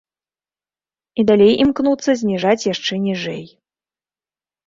І далей імкнуцца зніжаць яшчэ ніжэй.